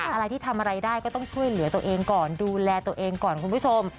อะไรที่ทำอะไรได้ก็ต้องช่วยเหลือตัวเองก่อนดูแลตัวเองก่อนคุณผู้ชม